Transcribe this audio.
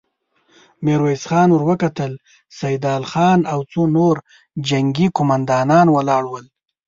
ميرويس خان ور وکتل، سيدال خان او څو نور جنګي قوماندان ولاړ ول.